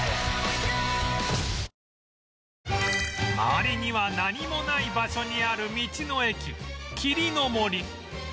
周りには何もない場所にある道の駅霧の森